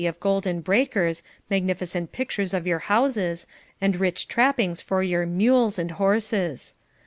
505 of golden beakers, magnificent pictures for your houses, and rich trappings for your mules and horses.